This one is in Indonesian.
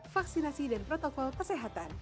vaksinasi dan protokol kesehatan